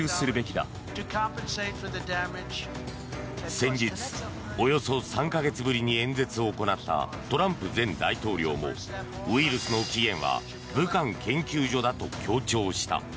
先日およそ３か月ぶりに演説を行ったトランプ前大統領もウイルスの起源は武漢研究所だと強調した。